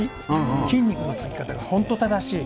筋肉のつき方が本当正しい。